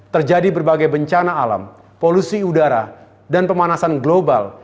terjadi berbagai bencana alam polusi udara dan pemanasan global